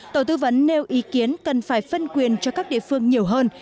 tổ tư vấn nêu ý kiến cần phải phân quyền cho các địa phương nhiều hơn